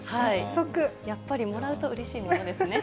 やっぱりもらうとうれしいものですね。